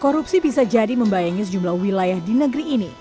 korupsi bisa jadi membayangi sejumlah wilayah di negeri ini